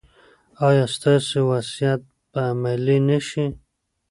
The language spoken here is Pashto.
ایا ستاسو وصیت به عملي نه شي؟